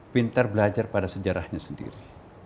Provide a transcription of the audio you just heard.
pintar belajar pada sejarahnya sendiri